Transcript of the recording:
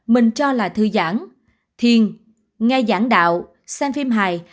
mình cho là thư giãn thiên nghe giảng đạo xem phim hài